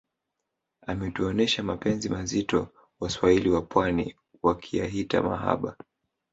atamuonesha mapenzi mazito waswahili wapwani wakiyahita mahaba